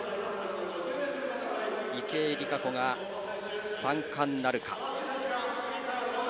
池江璃花子が３冠なるか。